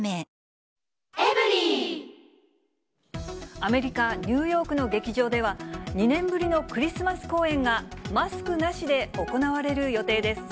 アメリカ・ニューヨークの劇場では、２年ぶりのクリスマス公演がマスクなしで行われる予定です。